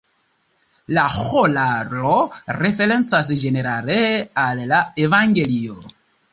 La ĥoralo referencas ĝenerale al la evangelio.